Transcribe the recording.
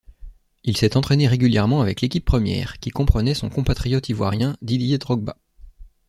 Il s'est entraîné régulièrement avec l'équipe première, qui comprenait son compatriote ivoirien Didier Drogba.